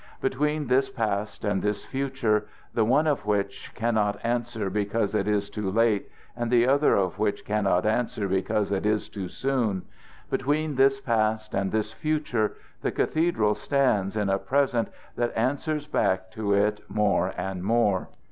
Between this past and this future, the one of which cannot answer because it is too late and the other of which can not answer because it is too soon between this past and this future the cathedral stands in a present that answers back to it more and more.